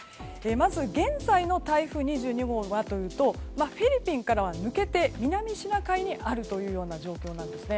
まず、現在の台風２２号はというとフィリピンからは抜けて南シナ海にあるという状況です。